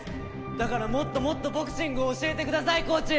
だからもっともっとボクシングを教えてくださいコーチ！